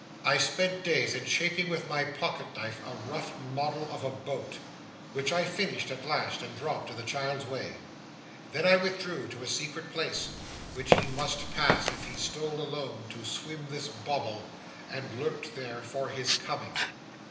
I spent days in shaping with my pocket knife a rough model of a boat, which I finished at last and dropped in the child's way. Then I withdrew to a secret place, which he must pass if he stole away alone to swim this bauble, and lurked there for his coming.